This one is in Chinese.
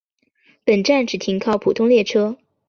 本站只停靠普通列车。